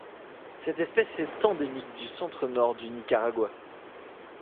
Cette espèce est endémique du centre-Nord du Nicaragua.